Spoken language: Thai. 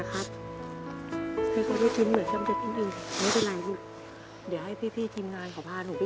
ขาด